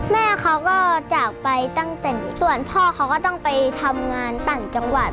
แม่เขาก็จากไปตั้งแต่ส่วนพ่อเขาก็ต้องไปทำงานต่างจังหวัด